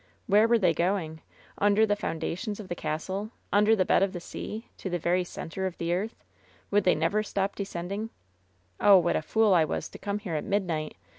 Where were they going? Under the foundations of the castle? Under the bed of the sea? To the very center of the earth ? Would they never stop descend ing? "Oh, what a fool I was to come here at midnight.